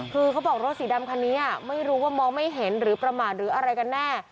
คือเขาบอกรถสีดำคันนี้ไม่รู้ว่ามองไม่เห็นหรือประมาทหรืออะไรกันแน่